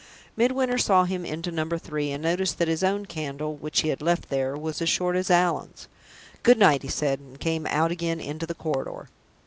Midwinter saw him into Number Three, and noticed that his own candle (which he had left there) was as short as Allan's. "Good night," he said, and came out again into the corridor.